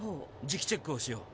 磁気チェックをしよう。